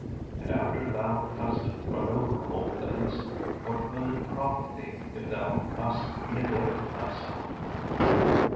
'And after thou hast run over all things, what will it profit thee if thou hast neglected thyself?'